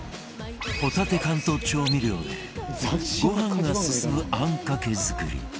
ホタテ缶と調味料でご飯が進む餡かけ作り